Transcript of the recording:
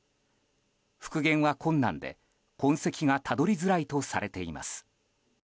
復元は困難で痕跡がたどりづらいとされています。